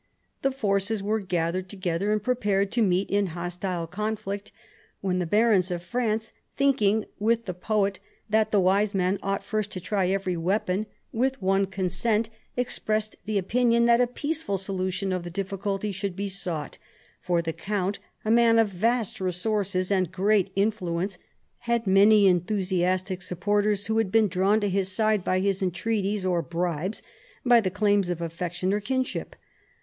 The forces were gathered together and prepared to meet in hostile conflict, when the barons of France, thinking with the poet that the wise man ought first to try every weapon, with one consent expressed the opinion that a peaceful solution of the difficulty should be sought, for the count, a man of vast resources and great influence, had many enthusiastic supporters who had been drawn to his side by his entreaties or bribes, by the claims of affection or kinship.